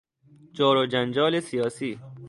جار و جنجال سیاسی